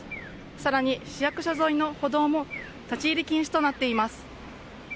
更に市役所沿いの歩道も立ち入り禁止となっています。